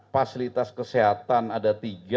fasilitas kesehatan ada tiga